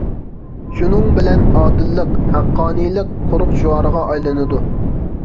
شۇنىڭ بىلەن ‹ ‹ئادىللىق› ›،‹ ‹ھەققانىيلىق› › قۇرۇق شوئارغا ئايلىنىدۇ.